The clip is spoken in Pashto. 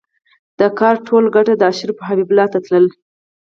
د کار ټوله ګټه د اشرافو جېب ته تلله